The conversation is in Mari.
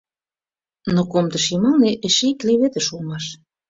Но комдыш йымалне эше ик леведыш улмаш.